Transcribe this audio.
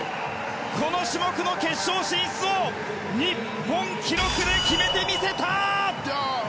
この種目の決勝進出を日本記録で決めてみせた！